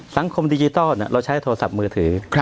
สังคมดิจิทัลเราใช้โทรศัพท์มือถือ